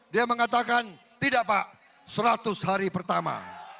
dia mengatakan tidak pak seratus hari pertama